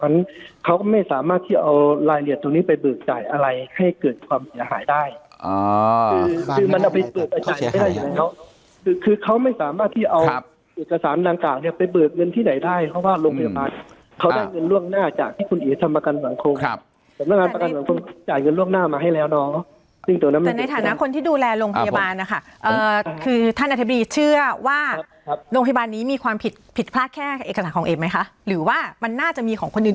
นางกากเนี้ยไปเบือกเงินที่ไหนได้เขาว่าโรงพยาบาลเขาได้เงินล่วงหน้าจากที่คุณเอกทำประกันสังคมครับจำประกันสังคมจ่ายเงินล่วงหน้ามาให้แล้วน้องจริงจนมันแต่ในฐานะคนที่ดูแลโรงพยาบาลนะคะอ่าคือท่านอธิบดีเชื่อว่าครับโรงพยาบาลนี้มีความผิดผิดพลาดแค่เอกสารของเอกไหมคะหรือว่าม